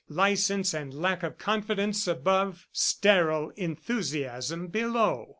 License and lack of confidence above sterile enthusiasm below."